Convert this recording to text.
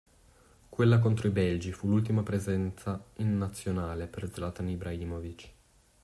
Quella contro i belgi fu l'ultima presenza in nazionale per Zlatan Ibrahimović.